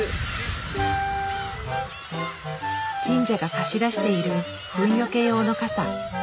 神社が貸し出しているフンよけ用の傘。